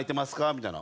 みたいな。